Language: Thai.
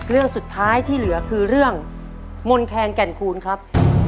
เรื่องสุดท้ายที่เหลือคือเรื่องมนแคนแก่นคูณครับ